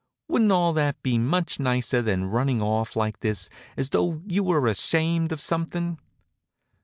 Wouldn't all that be much nicer than running off like this, as though you were ashamed of something?"